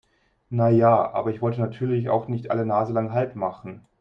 Na ja, aber ich wollte natürlich auch nicht alle naselang Halt machen.